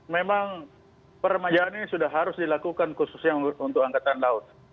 memang permajaan ini sudah harus dilakukan khususnya untuk angkatan laut